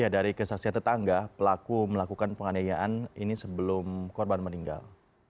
dari kesaksian tetangga pelaku melakukan penganiayaan ini sebelum korban meninggal